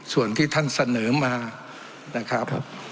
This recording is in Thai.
ส่วนที่ท่านเสนอมานะครับ